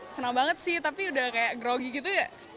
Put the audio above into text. senang banget sih tapi udah kayak grogi gitu ya